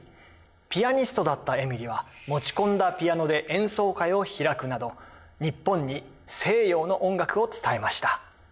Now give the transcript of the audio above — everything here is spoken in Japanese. ピアニストだったエミリは持ち込んだピアノで演奏会を開くなど日本に西洋の音楽を伝えました。